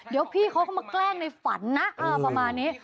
เดี๋ยวพี่เขาก็มาแกล้งในฝันนะประมาณนี้